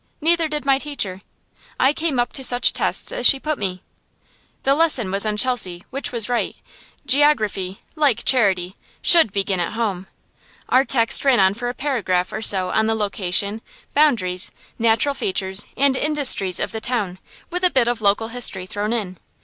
Neither did my teacher. I came up to such tests as she put me. The lesson was on Chelsea, which was right: geography, like charity, should begin at home. Our text ran on for a paragraph or so on the location, boundaries, natural features, and industries of the town, with a bit of local history thrown in.